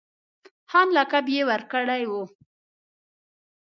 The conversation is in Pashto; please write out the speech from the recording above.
خان لقب یې ورکړی وو.